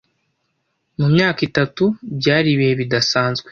mu myaka itatu byari ibihe bidasazwe